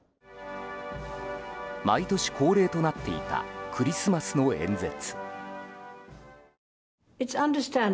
毎年恒例となっていたクリスマスの演説。